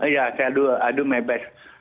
ya saya adu mebes